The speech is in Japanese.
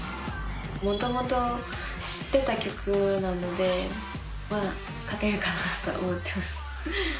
もともと知ってた曲なので、まあ勝てるかなと思ってます。